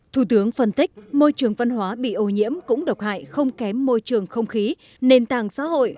thủ tướng phân tích môi trường văn hóa bị ô nhiễm cũng độc hại không kém môi trường không khí nền tảng xã hội